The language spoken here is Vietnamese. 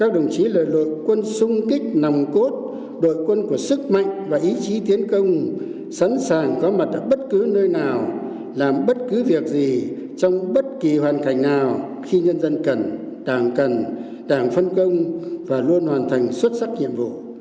đội quân xung kích nằm cốt đội quân của sức mạnh và ý chí tiến công sẵn sàng có mặt ở bất cứ nơi nào làm bất cứ việc gì trong bất kỳ hoàn cảnh nào khi nhân dân cần đảng cần đảng phân công và luôn hoàn thành xuất sắc nhiệm vụ